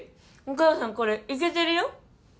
お母さんこれイケてるよ。